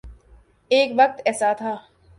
ایک وقت ایسا تھا۔